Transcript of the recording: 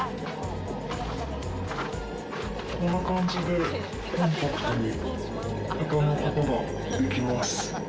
こんな感じでコンパクトに畳むことができます。